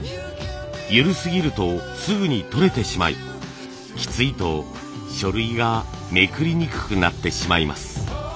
緩すぎるとすぐに取れてしまいきついと書類がめくりにくくなってしまいます。